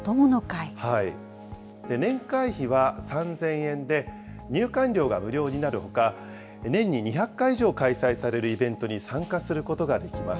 年会費は３０００円で、入館料が無料になるほか、年に２００回以上開催されるイベントに参加することができます。